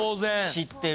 知ってる。